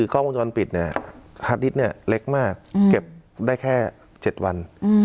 กล้องพลิกปิดฮาทดิสเล็กมากเก็บได้แค่๗วัน